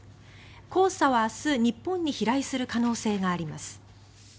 黄砂は明日、日本に飛来する可能性があります。